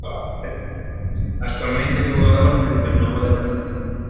Actualmente es jugador del Vila Nova de Brasil.